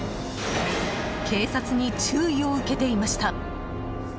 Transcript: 警察に注意を受けていました。